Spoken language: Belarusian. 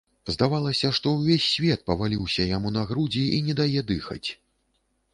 Здавалася, што ўвесь свет паваліўся яму на грудзі і не дае дыхаць.